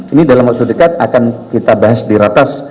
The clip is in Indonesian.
ini dalam waktu dekat akan kita bahas di ratas